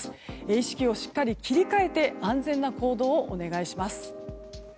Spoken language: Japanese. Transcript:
意識をしっかり切り替えて安全な行動をお願いします。